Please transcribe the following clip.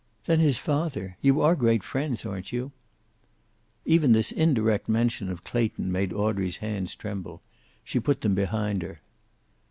"Then his father. You are great friends, aren't you?" Even this indirect mention of Clayton made Audrey's hands tremble. She put them behind her.